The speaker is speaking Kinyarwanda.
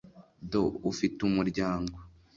do ufite umuryango